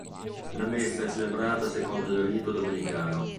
La messa è celebrata secondo il rito domenicano.